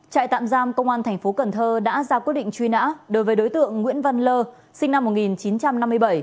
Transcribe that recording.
trại tạm giam công an thành phố cần thơ đã ra quyết định truy nã đối với đối tượng nguyễn văn lơ sinh năm một nghìn chín trăm năm mươi bảy